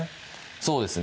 そうですね